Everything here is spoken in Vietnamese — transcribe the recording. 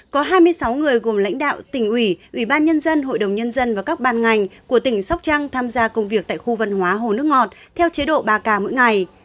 có hai mươi sáu người gồm lãnh đạo tỉnh ủy ủy ban nhân dân hội đồng nhân dân và các ban ngành của tỉnh sóc trăng tham gia công việc tại khu văn hóa hồ nước ngọt theo chế độ ba k mỗi ngày